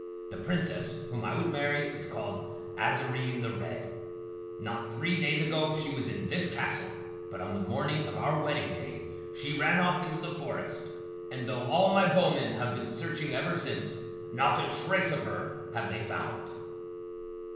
The Princess whom I would marry is called Azarine, the Red. Not three days ago she was in this castle, but on the morning of our wedding day she ran off into the forest, and though all my Bowmen have been searching ever since, not a trace of her have they found!"